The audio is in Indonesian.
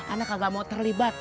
anak kagak mau terlibat